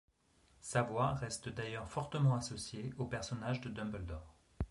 Sa voix reste d'ailleurs fortement associée au personnage de Dumbledore.